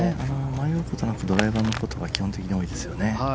迷うことなくドライバーのことが基本的に多いですね。